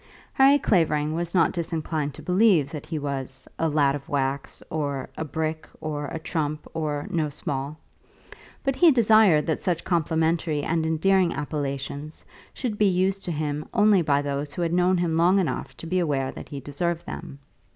Harry Clavering was not disinclined to believe that he was a "lad of wax," or "a brick," or "a trump," or "no small beer." But he desired that such complimentary and endearing appellations should be used to him only by those who had known him long enough to be aware that he deserved them.